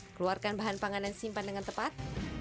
keluarkan bahan pangan dan simpan dengan tepat